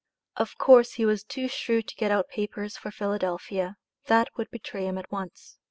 Of course he was too shrewd to get out papers for Philadelphia. That would betray him at once.